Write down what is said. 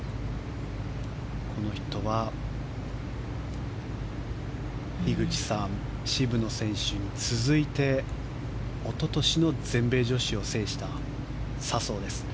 この人は樋口さん、渋野選手に続いて一昨年の全米女子を制した笹生です。